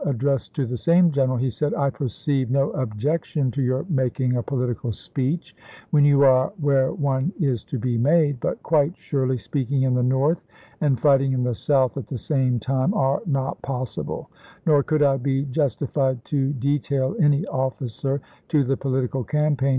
addressed to the same general, he said :" I perceive no objection to your making a political speech when you are where one is to be made ; but quite surely speaking in the North and fighting in the South at the same time are not possible ; nor could I be jus Lslfhu?z!° tified to detail any officer to the political campaign feel.